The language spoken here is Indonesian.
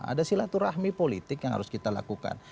ada silaturahmi politik yang harus kita lakukan